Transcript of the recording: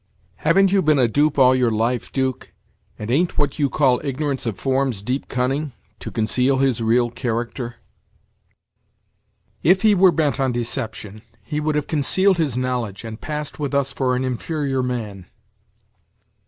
"Haven't you been a dupe all your life, 'Duke, and an't what you call ignorance of forms deep cunning, to conceal his real character?" "If he were bent on deception, he would have concealed his knowledge, and passed with us for an inferior man."